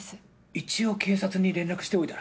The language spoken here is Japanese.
一応警察に連絡しておいたら？